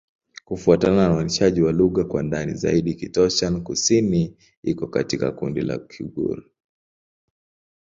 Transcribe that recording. Kufuatana na uainishaji wa lugha kwa ndani zaidi, Kitoussian-Kusini iko katika kundi la Kigur.